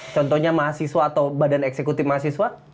contohnya mahasiswa atau badan eksekutif mahasiswa